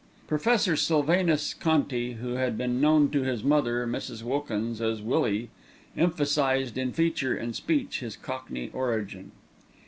Professor Sylvanus Conti, who had been known to his mother, Mrs. Wilkins, as Willie, emphasised in feature and speech his cockney origin.